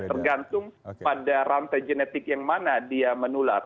tergantung pada rantai genetik yang mana dia menular